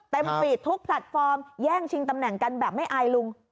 ฟีดทุกแพลตฟอร์มแย่งชิงตำแหน่งกันแบบไม่อายลุง